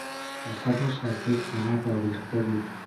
جسدش از یک طناب آویخته بود.